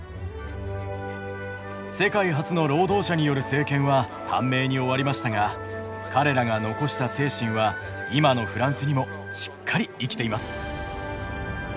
世界初の労働者による政権は短命に終わりましたが彼らが残した精神は今のフランスにもしっかり生きています。